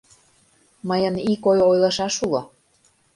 Мыйын ик ой ойлышаш уло.